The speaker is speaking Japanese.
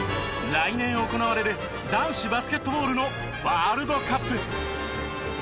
来年行われる男子バスケットボールのワールドカップ。